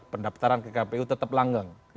pendaftaran kkpu tetap langgeng